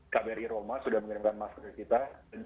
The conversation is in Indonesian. kbri roma sudah mengirimkan masker ke kita